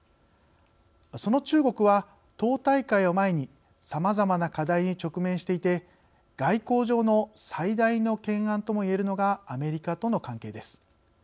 その中国は、党大会を前にさまざまな課題に直面していて外交上の最大の懸案とも言えるのがアメリカとの関係です。